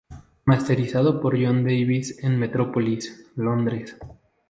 Masterizado por John Davis en Metropolis, Londres.